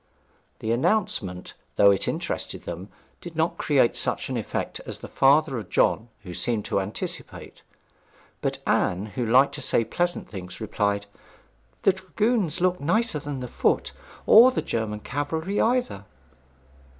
The announcement, though it interested them, did not create such an effect as the father of John had seemed to anticipate; but Anne, who liked to say pleasant things, replied, 'The dragoons looked nicer than the foot, or the German cavalry either.'